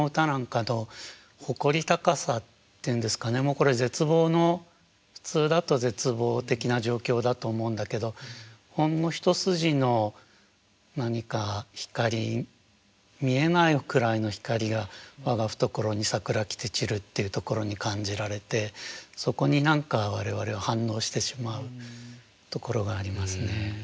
もうこれ絶望の普通だと絶望的な状況だと思うんだけどほんの一筋の何か光見えないくらいの光が「わがふところにさくら来てちる」っていうところに感じられてそこに何か我々は反応してしまうところがありますね。